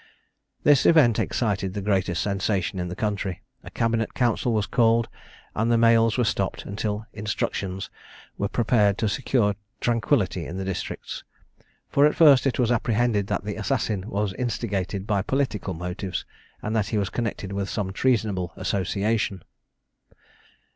This event excited the greatest sensation in the country. A cabinet council was called, and the mails were stopped, until instructions were [Illustration: Assassination of Perceval. P. 530] prepared to secure tranquillity in the districts; for at first it was apprehended that the assassin was instigated by political motives, and that he was connected with some treasonable association.